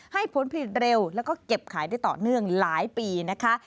ให้ผลผลิตเร็วแล้วก็เก็บขายได้ต่อเนื่องหลายปีนะคะ